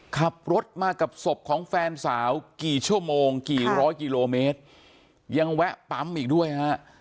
ขับรถมากับศพของแฟนสาวกี่ชั่วโมงกี่ร้อยกิโลเมตรยังแวะปั๊มอีกด้วยฮะ